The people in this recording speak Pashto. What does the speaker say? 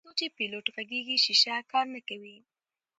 تر څو چې پیلوټ غږیږي شیشه کار نه کوي.